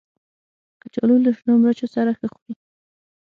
کچالو له شنو مرچو سره ښه خوري